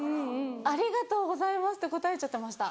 「ありがとうございます」って答えちゃってました。